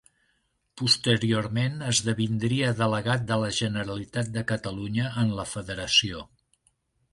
Posteriorment esdevindria delegat de la Generalitat de Catalunya en la Federació.